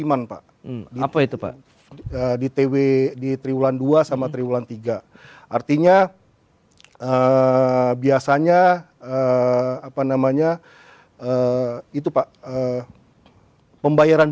iman pak apa itu pak di tw di triwulan dua sama triwulan tiga artinya biasanya apa namanya itu pak pembayaran